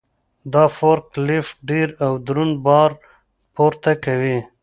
دا فورک لیفټ ډېر او دروند بار پورته کوي.